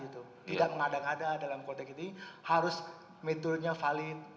tidak mengadang adang dalam konteks ini harus metodenya valid